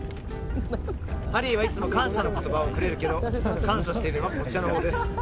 ハリーはいつも感謝の言葉をくれるけど感謝しているのはこちらのほうです。